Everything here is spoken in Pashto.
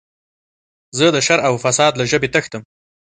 زه د شر او فساد له ژبې تښتم.